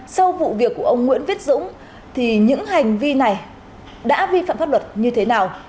sau vụ việc của ông nguyễn viết dũng thì những hành vi này đã vi phạm pháp luật như thế nào